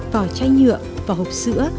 vỏ chai nhựa vỏ hộp sữa